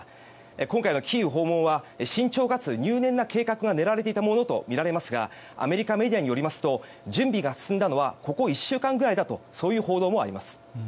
今回のキーウ訪問は慎重かつ入念な計画が練られていたものとみられますがアメリカメディアによりますと準備が進んだのはここ１週間くらいだという報道もあります。